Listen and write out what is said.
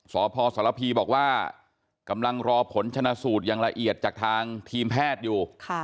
สพสรพีบอกว่ากำลังรอผลชนะสูตรอย่างละเอียดจากทางทีมแพทย์อยู่